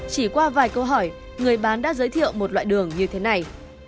chỉ qua vài câu hỏi người bán đã giới thiệu một loại đường như thế này